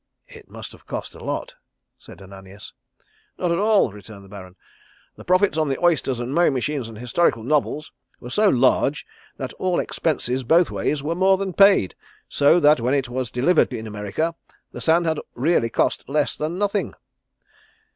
"It must have cost a lot!" said Ananias. "Not at all," returned the Baron. "The profits on the oysters and mowing machines and historical novels were so large that all expenses both ways were more than paid, so that when it was delivered in America the sand had really cost less than nothing.